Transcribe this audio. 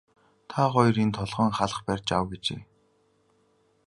Та хоёр энд толгойн халх барьж ав гэжээ.